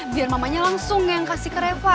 biar mamanya langsung yang kasih ke reva